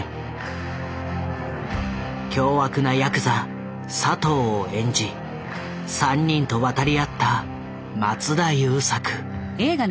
凶悪なやくざ佐藤を演じ３人と渡り合った松田優作。